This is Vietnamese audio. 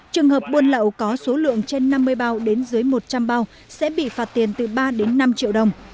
trường hợp buôn lậu có số lượng trên năm mươi bao đến dưới một trăm linh bao sẽ bị phạt tiền từ ba đến năm triệu đồng